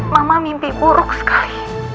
mama mimpi buruk sekali